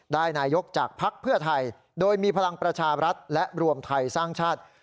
นายกจากภักดิ์เพื่อไทยโดยมีพลังประชารัฐและรวมไทยสร้างชาติ